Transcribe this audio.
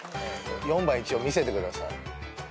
４番一応見せてください。